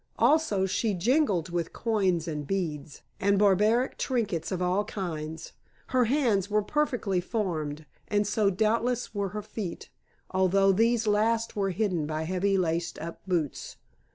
Also she jingled with coins and beads and barbaric trinkets of all kinds. Her hands were perfectly formed, and so doubtless were her feet, although these last were hidden by heavy laced up boots.